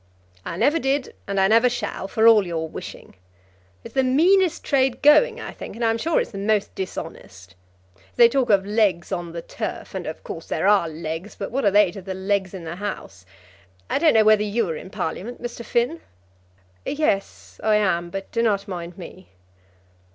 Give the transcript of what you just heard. "I never did, and I never shall, for all your wishing. It's the meanest trade going I think, and I'm sure it's the most dishonest. They talk of legs on the turf, and of course there are legs; but what are they to the legs in the House? I don't know whether you are in Parliament, Mr. Finn." "Yes, I am; but do not mind me."